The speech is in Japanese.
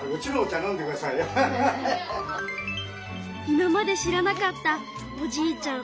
今まで知らなかったおじいちゃん